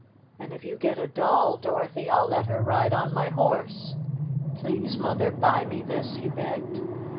"And if you get a doll, Dorothy, I'll let her ride on my horse. Please, Mother, buy me this!" he begged.